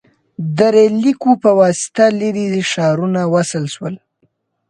• د ریل لیکو په واسطه لرې ښارونه وصل شول.